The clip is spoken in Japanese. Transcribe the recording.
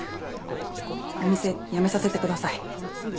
お店辞めさせてください。